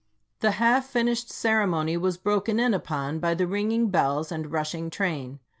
The half finished ceremony was broken in upon by the ringing bells and rushing train.